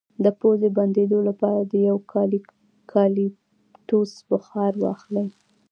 د پوزې د بندیدو لپاره د یوکالیپټوس بخار واخلئ